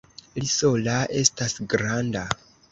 Li sola estas granda!